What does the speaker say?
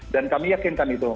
dan kami yakinkan itu